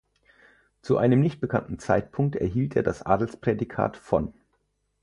Zu einem nicht bekannten Zeitpunkt erhielt er das Adelsprädikat "von".